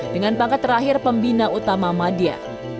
dengan pangkat terakhir pembina utama madya